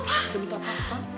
tidak minta apa apa